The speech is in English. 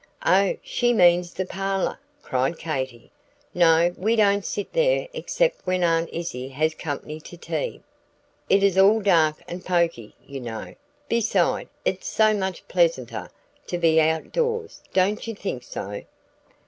"Oh, she means the parlor!" cried Katy. "No, we don't sit there except when Aunt Izzie has company to tea. It is all dark and poky, you know. Beside, it's so much pleasanter to be out doors. Don't you think so?"